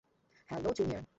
Hello, junior.